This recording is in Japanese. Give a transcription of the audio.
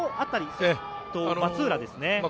松浦ですね。